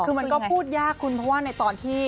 คือมันก็พูดยากคุณเพราะว่าในตอนที่